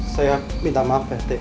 saya minta maaf pak rete